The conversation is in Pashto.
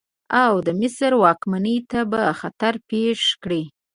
او د مصر واکمنۍ ته به خطر پېښ کړي.